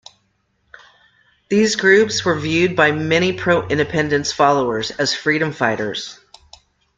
These groups were viewed by many pro-independence followers as freedom fighters.